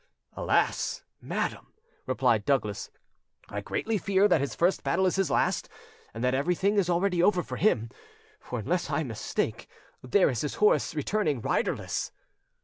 "Alas! madam," replied Douglas, "I greatly fear that his first battle is his last, and that everything is already over for him; for, unless I mistake, there is his horse returning riderless."